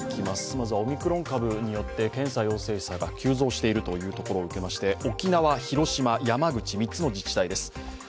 まずはオミクロン株によって検査陽性者が急増していることを受けて沖縄、広島、山口３つの自治体です。